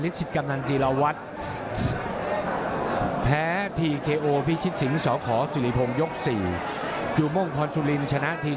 ต่อยซ้ายไม่หนีด้วยนะ